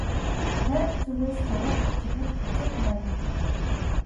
Хойд зүгээс жавар тачигнаж хацар хайрна.